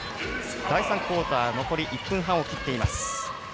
第３クオーター残り１分半を切っています。